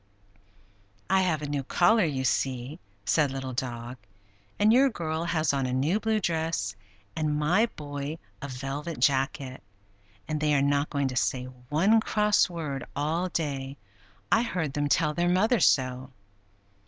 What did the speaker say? "I have a new collar, you see," said Little Dog. "And your girl has on a new blue dress, and my boy a velvet jacket. And they are not going to say one cross word all day; I heard them tell their mother so."